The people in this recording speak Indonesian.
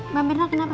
mbak mirna kenapa